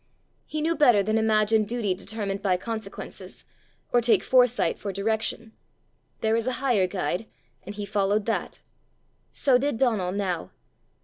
He knew better than imagine duty determined by consequences, or take foresight for direction. There is a higher guide, and he followed that. So did Donal now.